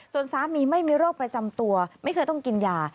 ส่วนสามีไม่มีโรคประจำตัวไม่เคยต้องกินยา